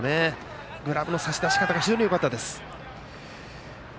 グラブの差し出し方が非常によかったです。